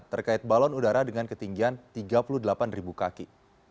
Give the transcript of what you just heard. terkait balon udara dengan ketinggian tiga puluh delapan kaki